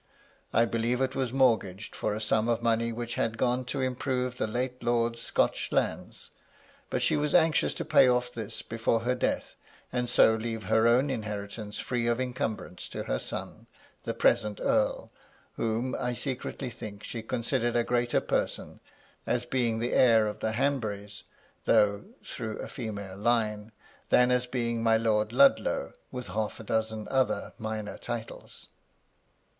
I believe it was mort gaged for a sum of money which had gone to improve the late lord's Scotch lands ; but she was anxious to pay off this before her death, and so to leave her own inheritance free of incumbrance to her son, the present Earl ; whom, I secretly think, she considered a greater person, as being the heir of the Hanburys (though through a female line), than as being my Lord Ludlow with half a dozen other minor titles.